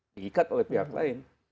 diikat oleh pihak lain